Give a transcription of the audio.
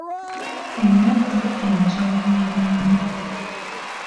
Ennaku ezoobwerende.